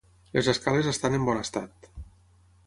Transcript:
Les escales estan en bon estat.